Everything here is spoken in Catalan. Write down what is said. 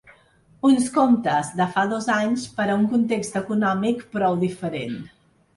Uns comptes de fa dos anys per a un context econòmic prou diferent.